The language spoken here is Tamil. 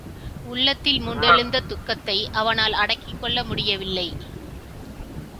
உள்ளத்தில் மூண்டெழுந்த துக்கத்தை அவனால் அடக்கிக் கொள்ள முடியவில்லை.